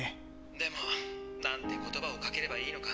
でも何て言葉をかければいいのか。